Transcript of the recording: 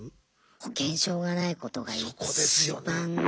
保険証がないことがいちばん。